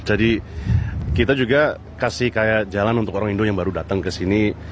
jadi kita juga kasih kayak jalan untuk orang indo yang baru datang ke sini